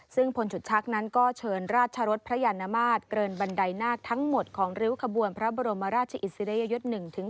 ซึ่งพลฉุดชักนั้นก็เชิญราชรสพระยานมาตรเกินบันไดนาคทั้งหมดของริ้วขบวนพระบรมราชอิสริยยศ๑๔